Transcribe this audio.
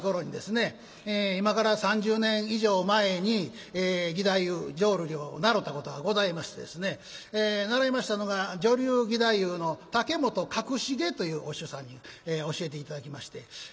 今から３０年以上前に義太夫浄瑠璃を習うたことがございましてですね習いましたのが女流義太夫の竹本角重というお師匠さんに教えて頂きまして。